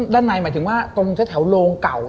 ด้านในหมายถึงว่าตรงแถวโรงเก่า